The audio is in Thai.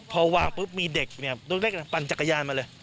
พอวางปุ๊บมีเด็กตรงเล็กปั่นจักรยานมาเลย